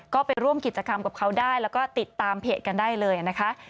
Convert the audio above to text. ก็ไปร่วมกิจกรรมกับเขาได้แล้วก็ติดตามเพจกันได้เลยนะคะ